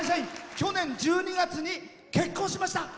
去年１２月に結婚しました。